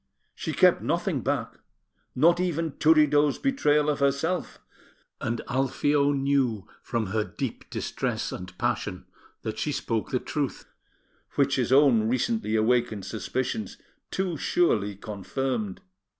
She kept nothing back, not even Turiddu's betrayal of herself, and Alfio knew from her deep distress and passion that she spoke the truth, which his own recently awakened suspicions too surely confirmed.